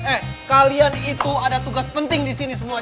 eh kalian itu ada tugas penting di sini semua